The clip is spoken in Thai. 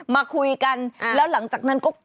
มาคุยกันแล้วหลังจากนั้นก็